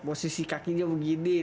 posisi kakinya begini